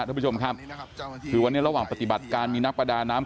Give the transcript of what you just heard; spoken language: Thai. ท่านผู้ชมครับคือวันนี้ระหว่างปฏิบัติการมีนักประดาน้ำ